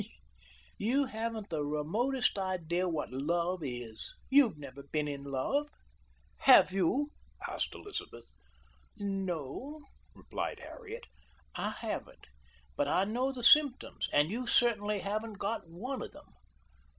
"You haven't the remotest idea what love is. You've never been in love." "Have you?" asked Elizabeth. "No," replied Harriet, "I haven't, but I know the symptoms and you certainly haven't got one of them.